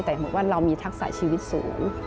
แต่เห็นบอกว่าเรามีทักษะชีวิตสูง